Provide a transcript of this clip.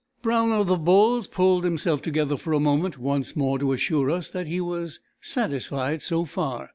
Brown of the Bulls pulled himself together for a moment, once more to assure us that he was "Satisfied so far."